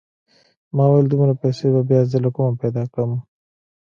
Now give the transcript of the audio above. ما وويل دومره پيسې به بيا زه له کومه پيدا کم.